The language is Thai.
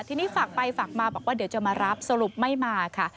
ทีนี้ฝากไปฝากมาบอกว่าเดี๋ยวจะมารับสรุปไม่มาค่ะ